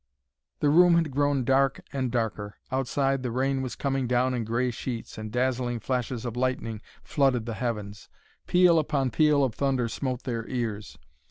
The room had grown dark and darker. Outside, the rain was coming down in gray sheets, and dazzling flashes of lightning flooded the heavens. Peal upon peal of thunder smote their ears.